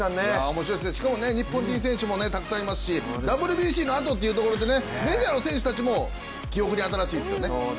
しかも日本人選手がたくさんいますしＷＢＣのあとというところでねメジャーの選手たちも記憶に新しいですよね。